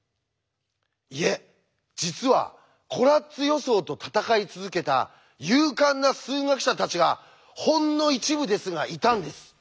いえ実はコラッツ予想と闘い続けた勇敢な数学者たちがほんの一部ですがいたんです。